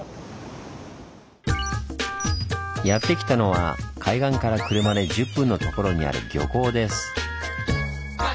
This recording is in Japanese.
やって来たのは海岸から車で１０分のところにある漁港です。